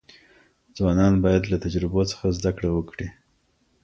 ځوانان باید له تجربو څخه زده کړه وکړي.